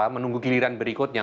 menunggu giliran berikutnya